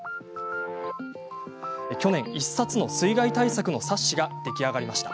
去年、１冊の水害対策の冊子が出来上がりました。